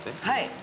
はい。